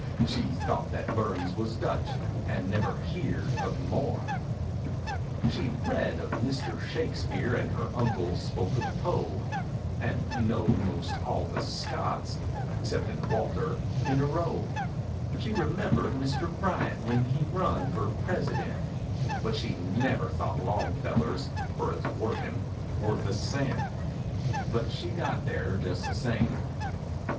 She thought that Burns was Dutch and never "heerd" of Moore. She'd "read of Mr. Shakespeare and her uncle spoke of Poe," And "knowed most all the Scotts, exceptin' Walter, in a row," She "remembered Mr. Bryant when he run fer President," But she "never thought Longfellers, fer as workin', worth a cent"— But she got there just the same.